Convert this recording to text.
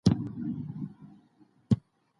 پخوا به ماسومانو یوازې په تخته باندې لیکل کول.